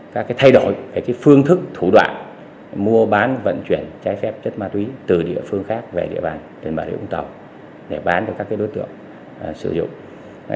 các cái thay đổi các cái phương thức thủ đoạn mua bán vận chuyển trái phép chất ma túy từ địa phương khác về địa bàn đến bãi địa phương tàu để bán cho các cái đối tượng sử dụng